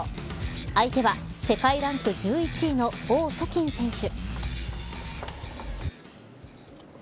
相手は世界ランク１１位の王楚欽選手。